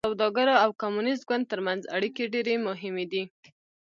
سوداګرو او کمونېست ګوند ترمنځ اړیکې ډېرې مهمې دي.